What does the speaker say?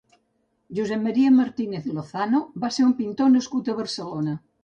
Josep Maria Martínez Lozano va ser un pintor nascut a Barcelona.